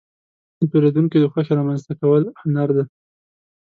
د پیرودونکو د خوښې رامنځته کول هنر دی.